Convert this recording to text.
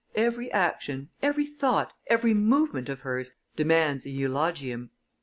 Every action, every thought, every movement of hers, demands an eulogium."